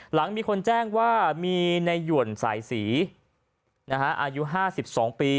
หลังมีคนแจ้งว่ามีในหยวนสายศรีอายุ๕๒ปี